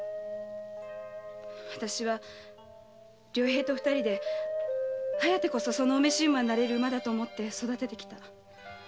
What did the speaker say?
わたしは良平と二人で「疾風」こそその御召馬になれる馬だと思って育ててきた。